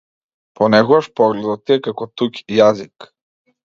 Понекогаш погледот ти е како туѓ јазик.